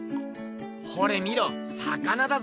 ほれみろ魚だぞ。